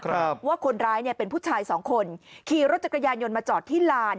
ว่าคนร้ายเนี่ยเป็นผู้ชายสองคนขี่รถจักรยานยนต์มาจอดที่ลาน